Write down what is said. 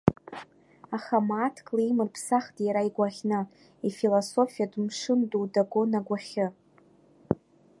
Аха мааҭк лимырԥсахт иара игәаӷьны, Ифилософиатә мшын ду дагон агәахьы.